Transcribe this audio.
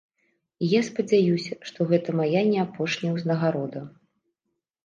І я спадзяюся, што гэта мая не апошняя ўзнагарода.